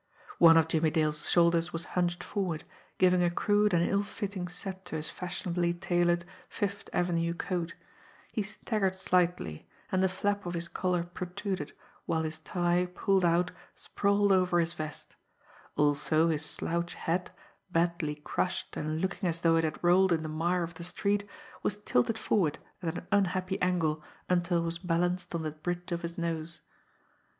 One of Jimmie Dale's shoulders was hunched forward, giving a crude and ill fitting set to his fashionably tailored, Fifth Avenue coat; he staggered slightly, and the flap of his collar protruded, while his tie, pulled out, sprawled over his vest; also his slouch hat, badly crushed and looking as though it had rolled in the mire of the street, was tilted forward at an unhappy angle until it was balanced on the bridge of his nose.